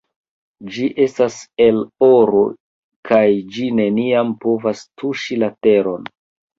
Ĝi estas el oro kaj ĝi neniam povas tuŝi la teron.